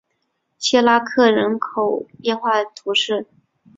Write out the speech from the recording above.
谢拉克人口变化图示